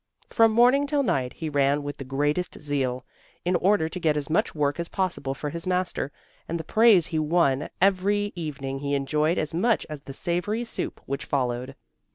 From morning till night he ran with the greatest zeal, in order to get as much work as possible for his master, and the praise he won every evening he enjoyed as much as the savoury soup which followed.